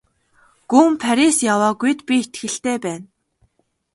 Гүн Парис яваагүйд би итгэлтэй байна.